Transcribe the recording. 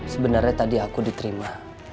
sebenernya tadi aku diterima